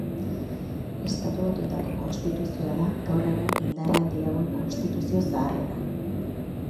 Estatu Batuetako Konstituzioa da gaur egun indarrean dirauen konstituzio zaharrena.